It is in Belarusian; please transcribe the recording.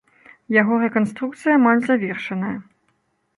Яго рэканструкцыя амаль завершаная.